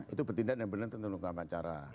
itu bertindak yang benar tentang hukuman acara